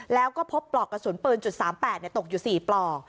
แล้วก็พบปลอกกระสุนปืนจุดสามแปดเนี่ยตกอยู่สี่ปลอก